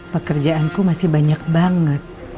pekerjaanku masih banyak banget